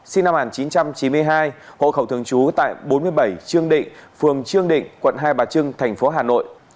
sinh năm một nghìn chín trăm chín mươi hai hội khẩu thường trú tại bốn mươi bảy trương định phường trương định quận hai bà trưng tp hà nội